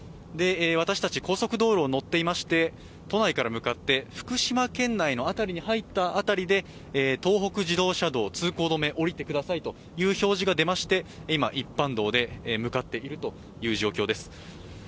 私たち高速道路に乗っていまして、都内から向かって福島県内に入った辺りで東北自動車道通行止め、下りてくださいという表示が出まして今、一般道で向かっているという状況です。